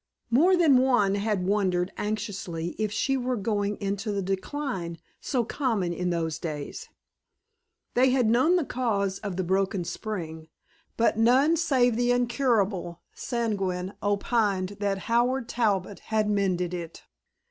More than one had wondered anxiously if she were going into the decline so common in those days. They had known the cause of the broken spring, but none save the incurably sanguine opined that Howard Talbot had mended it.